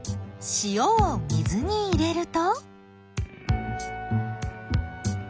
塩を水に入れると。